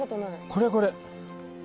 これこれ！